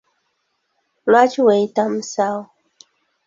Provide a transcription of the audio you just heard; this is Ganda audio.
Lwaki weeyita musawo?